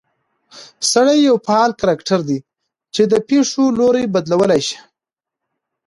سړى يو فعال کرکټر دى، چې د پېښو لورى بدلولى شي